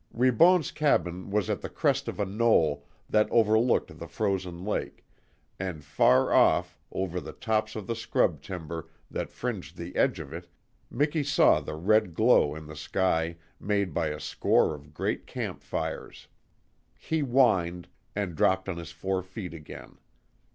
Ribon's cabin was at the crest of a knoll that over looked the frozen lake, and far off, over the tops of the scrub timber that fringed the edge of it, Miki saw the red glow in the sky made by a score of great camp fires. He whined, and dropped on his four feet again.